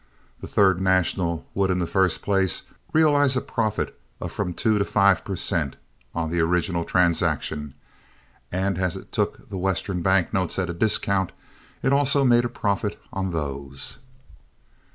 The Third National would in the first place realize a profit of from four to five per cent. on the original transaction; and as it took the Western bank notes at a discount, it also made a profit on those.